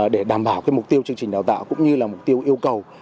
để đảm bảo mục tiêu chương trình đào tạo cũng như là mục tiêu yêu cầu